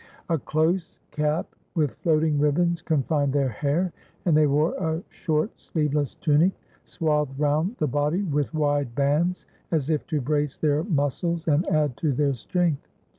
A close cap with floating ribbons confined their hair, and they wore a short sleeveless tunic, swathed round the body with wide bands, as if to brace their muscles and add to their strength.